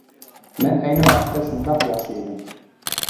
مەن ئەينى ۋاقىتتا شۇنداق ياخشى ئىدىم.